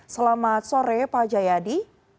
selamat sore pak jayadi